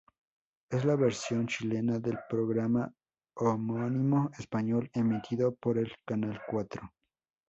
Es la versión chilena del programa homónimo español emitido por el canal Cuatro.